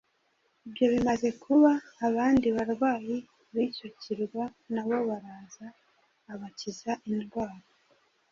Ibyo bimaze kuba, abandi barwayi b’icyo kirwa nabo baraza abakiza indwara.